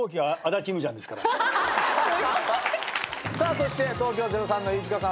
そして東京０３の飯塚さん